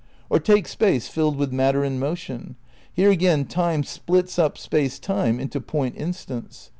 Or take Space filled with matter in motion; here again Time splits up Space Time into point instants.